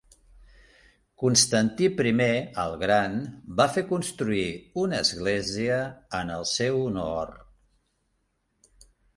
Constantí I el Gran va fer construir una església en el seu honor.